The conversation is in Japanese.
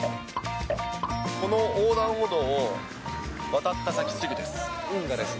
この横断歩道を渡った先すぐです。